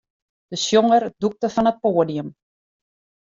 De sjonger dûkte fan it poadium.